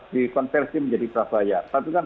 dikonversi menjadi prabayar tapi kan